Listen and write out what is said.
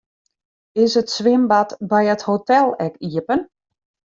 Is it swimbad by it hotel ek iepen?